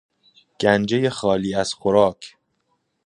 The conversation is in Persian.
گنجهی خالی از خوراک